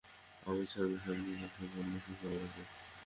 অমিত সামনাসামনি বসে বললে, সুখবর আছে।